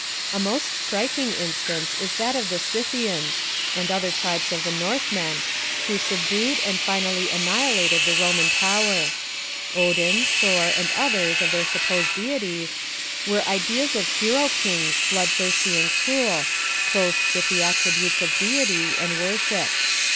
A most striking instance is that of the Scythians, and other tribes of the Northmen, who subdued and finally annihilated the Roman pov/er. Odin, Thor, and others of their supposed deities, were ideas of hero kings, blood thirsty and cruel, clothed with the attributes of deity, and worshipped.